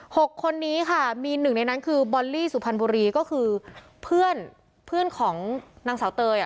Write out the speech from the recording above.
หกคนนี้ค่ะมีหนึ่งในนั้นคือบอลลี่สุพรรณบุรีก็คือเพื่อนเพื่อนของนางสาวเตยอ่ะ